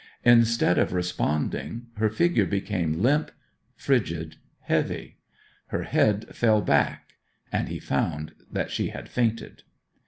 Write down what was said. Instead of responding, her figure became limp, frigid, heavy; her head fell back, and he found that she had fainted.